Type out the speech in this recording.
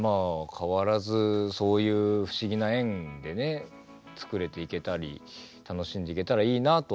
変わらずそういう不思議な縁でね作れていけたり楽しんでいけたらいいなとは思いますけど。